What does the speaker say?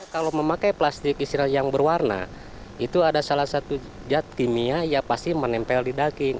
kalau memakai plastik yang berwarna itu adalah salah satu jad kimia yang pasti menempel di daging